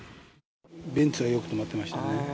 ベンツがよく止まってましたね。